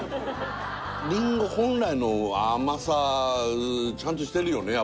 りんご本来の甘さちゃんとしてるよね